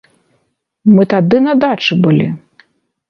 Мы тады на дачы былі.